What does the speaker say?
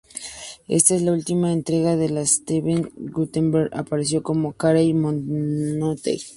Esta es la última entrega en la que Steve Guttenberg aparece como Carey Mahoney.